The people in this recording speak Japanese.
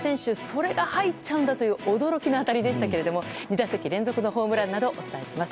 それが入っちゃうんだという驚きな当たりでしたが２打席連続のホームランなどお伝えします。